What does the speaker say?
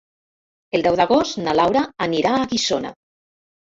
El deu d'agost na Laura anirà a Guissona.